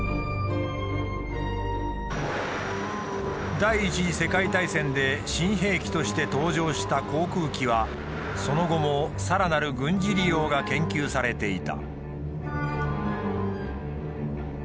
第一次世界大戦で新兵器として登場した航空機はその後もさらなる軍事利用が研究されていた。